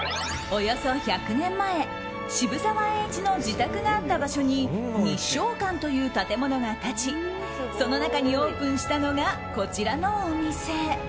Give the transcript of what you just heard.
およそ１００年前渋沢栄一の自宅があった場所に日証館という建物が建ちその中にオープンしたのがこちらのお店。